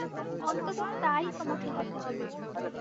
অন্তত তাই তোমাকে হতে হবে।